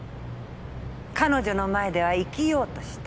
彼女の前では生きようとした。